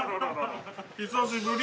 久しぶり。